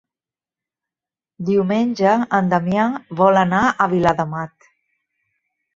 Diumenge en Damià vol anar a Viladamat.